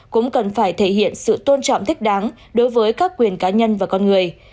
cũng cần phải thể hiện sự tôn trọng thích đáng đối với các quyền cá nhân và con người